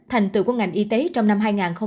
thành tựu của ngành y tế trong năm hai nghìn hai mươi